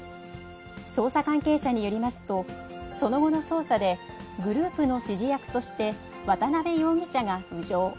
捜査関係者によりますと、その後の捜査で、グループの指示役として渡辺容疑者が浮上。